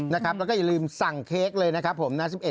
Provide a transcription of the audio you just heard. แล้วก็อย่าลืมสั่งเค้กเลยนะครับผมนะ๑๑